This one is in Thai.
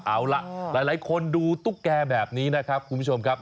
เอาล่ะหลายคนดูตุ๊กแก่แบบนี้นะครับคุณผู้ชมครับ